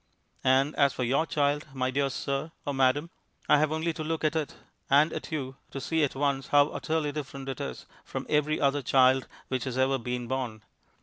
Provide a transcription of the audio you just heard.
And as for your child, my dear sir (or madam), I have only to look at it and at you to see at once how utterly different it is from every other child which has ever been born.